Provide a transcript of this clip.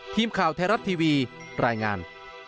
ทีมข่าวไทยรัฐทีวีรายงาน